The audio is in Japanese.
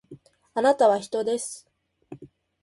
あなたは人です